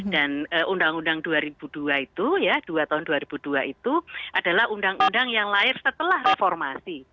dan undang undang dua ribu dua itu adalah undang undang yang lahir setelah reformasi